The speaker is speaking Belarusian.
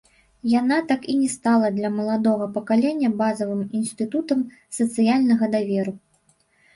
Яна так і не стала для маладога пакалення базавым інстытутам сацыяльнага даверу.